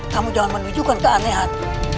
kamu jangan menunjukkan keanehan